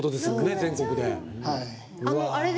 全国で。